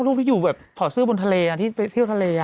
รูปที่อยู่แบบถอดเสื้อบนทะเลที่ไปเที่ยวทะเล